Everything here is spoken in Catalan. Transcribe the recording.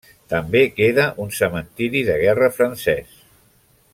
També queda un cementiri de guerra francès.